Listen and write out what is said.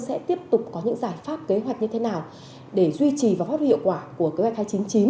sẽ tiếp tục có những giải pháp kế hoạch như thế nào để duy trì và phát huy hiệu quả của kế hoạch hai trăm chín mươi chín